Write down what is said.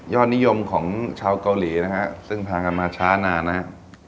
นิยมของชาวเกาหลีนะฮะซึ่งพากันมาช้านานนะฮะ